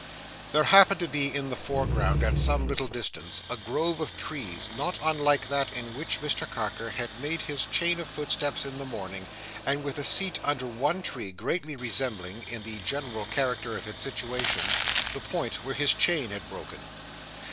There happened to be in the foreground, at some little distance, a grove of trees, not unlike that in which Mr Carker had made his chain of footsteps in the morning, and with a seat under one tree, greatly resembling, in the general character of its situation, the point where his chain had broken.